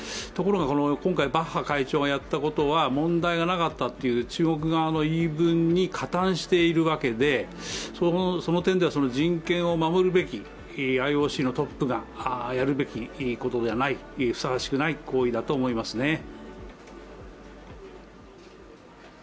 ところが今回バッハ会長がやったことは、問題がなかったという中国側の言い分に加担しているわけで、その点では人権を守るべきＩＯＣのトップがやるべきことではないふさわしくない行為だと思いますね。